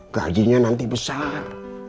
gajinya nanti besar